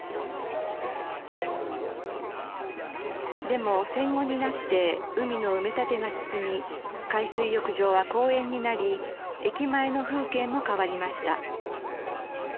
でも戦後になって海の埋め立てが進み海水浴場は公園になり駅前の風景も変わりました。